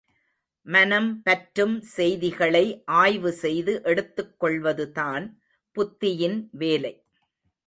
மனம் பற்றும் செய்திகளை ஆய்வு செய்து எடுத்துக் கொள்வதுதான் புத்தியின் வேலை.